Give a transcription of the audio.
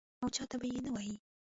او چا ته به یې نه وایې.